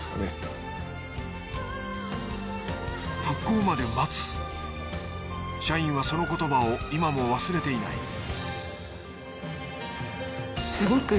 復興まで待つ社員はその言葉を今も忘れていない